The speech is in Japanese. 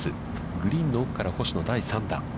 グリーンの奥から星野、第３打。